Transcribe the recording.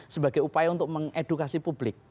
sebagai upaya untuk mengedukasi publik